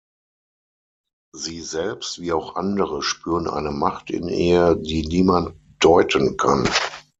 Sie selbst wie auch andere spüren eine Macht in ihr, die niemand deuten kann.